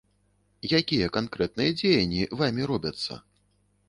Якія канкрэтныя дзеянні вамі робяцца?